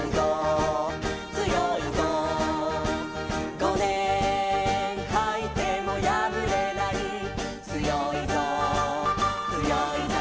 「ごねんはいてもやぶれない」「つよいぞつよいぞ」